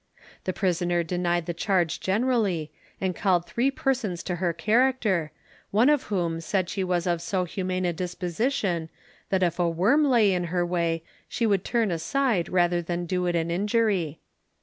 The prisoner denied the charge generally, and called three persons to her character, one of whom said she was of so humane a disposition, that if a worm lay in her way, she would turn aside rather than do it an injury.